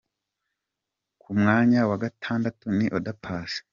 Ku mwanya wa Gatandatu ni Oda Paccy.